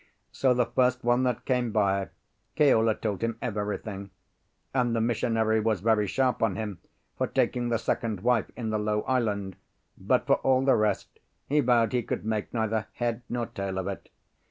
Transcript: So the first one that came by, Keola told him everything. And the missionary was very sharp on him for taking the second wife in the low island; but for all the rest, he vowed he could make neither head nor tail of it.